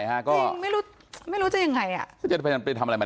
ว่ามันจะมีเวลาแล้ว